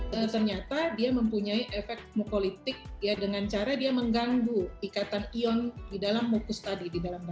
ternyata dia mempunyai efek mukolitik ya dengan cara dia mengganggu ikatan ion di dalam mukus tadi